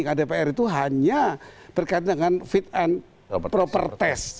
karena dpr itu hanya berkaitan dengan fit and proper test